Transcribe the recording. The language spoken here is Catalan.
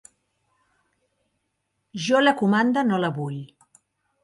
Jo la comanda no la vull.